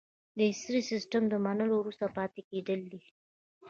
د عصري سیستم نه منل وروسته پاتې کیدل دي.